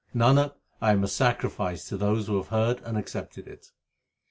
Nanak, I am a sacrifice to those who have heard and accepted it.